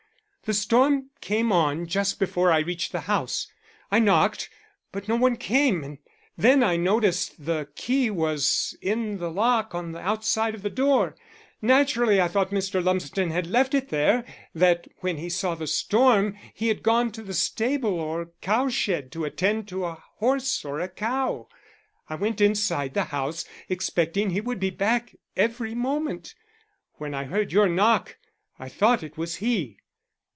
"The storm came on just before I reached the house. I knocked, but no one came, and then I noticed the key was in the lock on the outside of the door. Naturally I thought Mr. Lumsden had left it there that when he saw the storm he had gone to the stable or cowshed to attend to a horse or a cow. I went inside the house, expecting he would be back every moment. When I heard your knock I thought it was he."